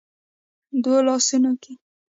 دوو لاسونو کې